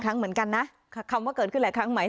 สองสามีภรรยาคู่นี้มีอาชีพ